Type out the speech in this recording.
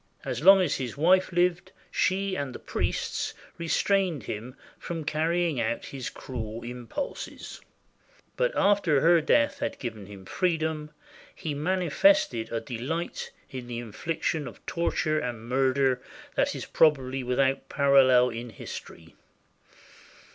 As long as his wife lived, she and the priests restrained him from carrying out his cruel im pulses; but after her death had given him freedom, he mani fested a delight in the infliction of torture and murder that is probably without parallel in history.